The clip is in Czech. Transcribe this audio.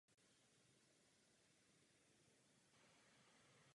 Obvodem protéká řeka Ostravice.